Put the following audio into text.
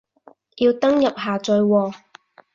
要登入下載喎